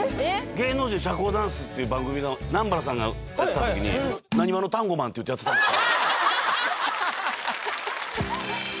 「芸能人社交ダンス」っていう番組の南原さんがやってた時に浪速のタンゴマンっていうてやってたんですよ